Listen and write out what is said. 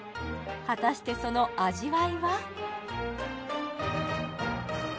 果たしてその味わいは？